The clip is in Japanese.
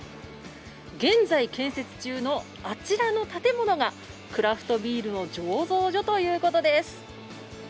現在建設中のあちらの建物が、クラフトビールの醸造所ということです。